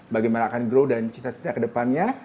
bagaimana akan grow dan cita cita kedepannya